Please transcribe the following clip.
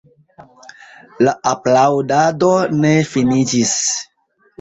La aplaŭdado ne finiĝis.